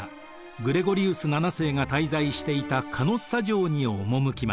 グレゴリウス７世が滞在していたカノッサ城に赴きます。